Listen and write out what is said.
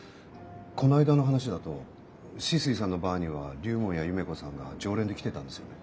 この間の話だと酒々井さんのバーには龍門や夢子さんが常連で来てたんですよね？